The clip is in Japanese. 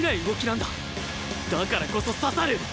だからこそ刺さる！